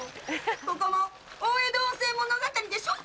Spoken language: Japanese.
ここも大江戸温泉物語でしょ？